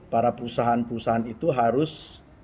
para perusahaan perusahaan itu harus